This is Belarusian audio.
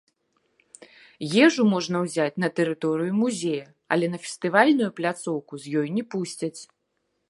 Ежу можна ўзяць на тэрыторыю музея, але на фестывальную пляцоўку з ёй не пусцяць.